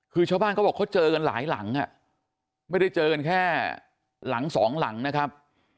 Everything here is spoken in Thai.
คือชาวบ้านเขาบอกเขาเจอกันหลายหลังไม่ได้เจอกันแค่หลังสองหลังนะครับ